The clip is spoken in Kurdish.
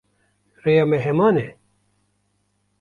Rêya me heman e?